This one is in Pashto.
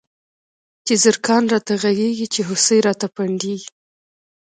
چی زرکان راته غږيږی، چی هوسۍ راته پنډيږی